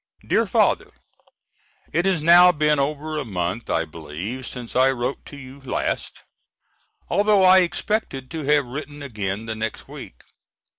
DEAR FATHER: It has now been over a month, I believe, since I wrote to you last, although I expected to have written again the next week.